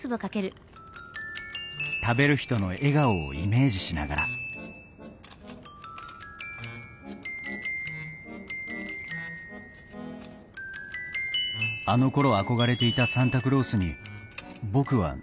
食べる人の笑顔をイメージしながらあのころ憧れていたサンタクロースに僕はなれているのだろうか？